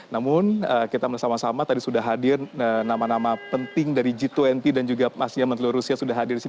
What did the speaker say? namun kita melihat sama sama tadi sudah hadir nama nama penting dari g dua puluh dan juga pastinya menteri rusia sudah hadir di sini